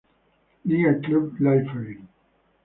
Liga club Liefering.